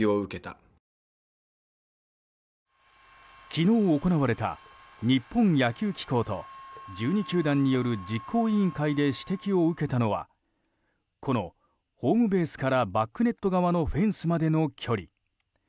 昨日行われた日本野球機構と１２球団による実行委員会で指摘を受けたのはこのホームベースからバックネット側のフェンスまでの距離。